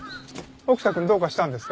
沖田くんどうかしたんですか？